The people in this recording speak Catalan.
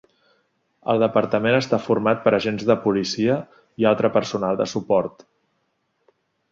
El departament està format per agents de policia i altre personal de suport.